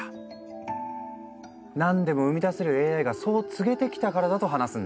何でも生み出せるＡＩがそう告げてきたからだと話すんだ。